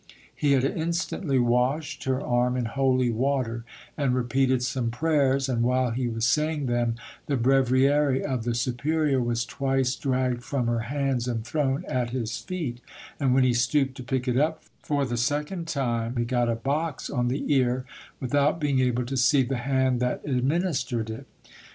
He had instantly washed her arm in holy water and repeated some prayers, and while he was saying them the breviary of the superior was twice dragged from her hands and thrown at his feet, and when he stooped to pick it up for the second time he got a box on the ear without being able to see the hand that administered it.